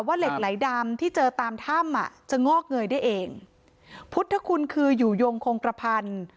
เหล็กไหลดำที่เจอตามถ้ำอ่ะจะงอกเงยได้เองพุทธคุณคืออยู่ยงคงกระพันธ์